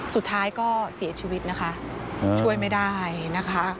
สุดท้ายก็เสียชีวิตนะคะช่วยไม่ได้นะคะ